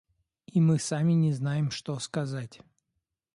И мы сами не знаем, что сказать.